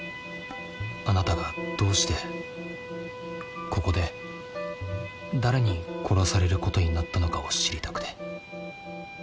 あなたがどうしてここで誰に殺されることになったのかを知りたくて。